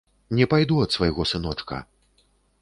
Не пайду ад свайго сыночка.